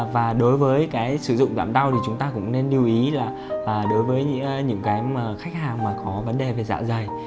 và đối với cái sử dụng giảm đau thì chúng ta cũng nên lưu ý là đối với những cái khách hàng mà có vấn đề về dạ dày